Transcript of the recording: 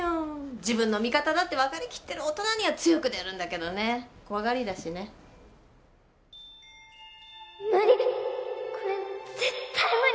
自分の味方だって分かりきってる大人には強く出るんだけどね怖がりだしね無理これ絶対無理